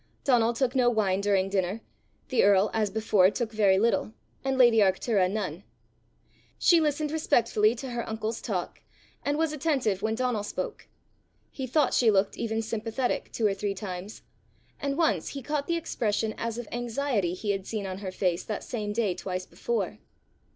Donal took no wine during dinner, the earl as before took very little, and lady Arctura none. She listened respectfully to her uncle's talk, and was attentive when Donal spoke; he thought she looked even sympathetic two or three times; and once he caught the expression as of anxiety he had seen on her face that same day twice before.